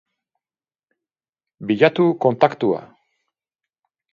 Bilatu kontaktua.